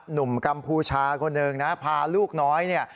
กัมพูชาคนหนึ่งนะพาลูกน้อยเนี่ย